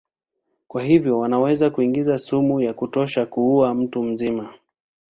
Kwa hivyo wanaweza kuingiza sumu ya kutosha kuua mtu mzima.